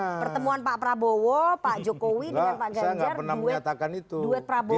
jadi pertemuan pak prabowo pak jokowi dengan pak ganjar duet prabowo ganjar